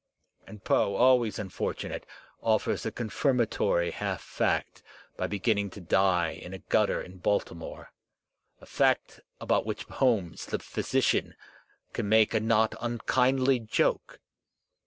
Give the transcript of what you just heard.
And Poe, always unfortunate, offers a confirmatory half fact by beginning to die in a gutter in Baltimore — a fact about which Holmes, the physician, can make a not unkindly joke!